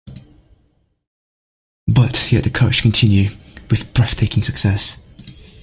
But he had the courage to continue - with breathtaking success.